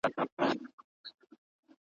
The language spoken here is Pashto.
شمعي ته به نه وایو لمبه به سو بورا به سو ,